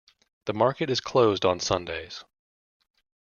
The market is closed on Sundays.